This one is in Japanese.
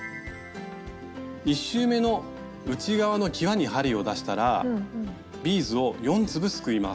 １周めの内側のきわに針を出したらビーズを４粒すくいます。